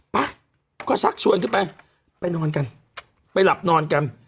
ไปก็ชักชวนขึ้นไปไปนอนกันไปหลับนอนกัน